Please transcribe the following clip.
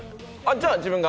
じゃあ自分が。